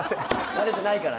慣れてないから。